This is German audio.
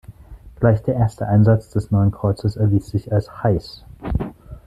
Gleich der erste Einsatz des neuen Kreuzers erwies sich als „heiß“.